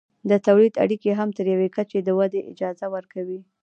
د تولید اړیکې هم تر یوې کچې د ودې اجازه ورکوي.